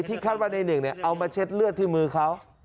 คาดว่าในหนึ่งเอามาเช็ดเลือดที่มือเขา